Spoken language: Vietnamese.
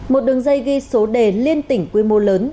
một đường dây ghi số đề liên tỉnh quy mô lớn